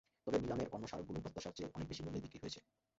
তবে নিলামের অন্য স্মারকগুলো প্রত্যাশার চেয়ে অনেক বেশি মূল্যে বিক্রি হয়েছে।